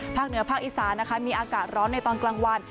เหนือภาคอีสานนะคะมีอากาศร้อนในตอนกลางวัน